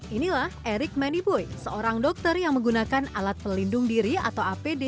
inilah erik maniboy seorang dokter yang menggunakan alat pelindung diri atau apd